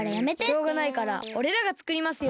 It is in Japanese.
しょうがないからおれらがつくりますよ。